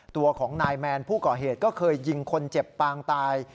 ตัวของนายแมนผู้ก่อเหตุก็เคยยิงคนเจ็บปางตาย